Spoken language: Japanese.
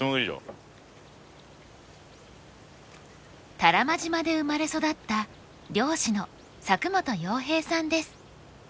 多良間島で生まれ育った漁師の佐久本洋平さんです。